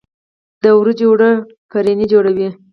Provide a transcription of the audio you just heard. د وریجو اوړه فرني جوړوي.